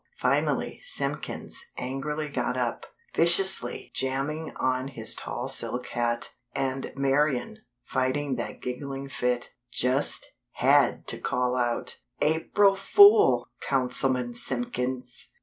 Finally Simpkins angrily got up, viciously jamming on his tall silk hat; and Marian, fighting that giggling fit, just had to call out: "April Fool, Councilman Simpkins!!"